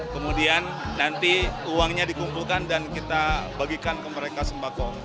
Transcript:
kemudian nanti uangnya dikumpulkan dan kita bagikan ke mereka sembako